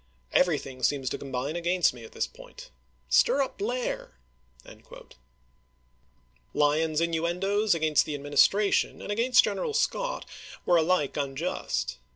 Everything seems to com iii.fi).397!' bine against me at this point. Stir up Blair." Lyon's innuendoes against the Administration and against General Scott were alike unjust.